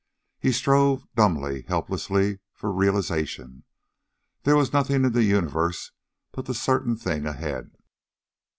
He strove dumbly, helplessly, for realization there was nothing in the universe but the certain thing ahead.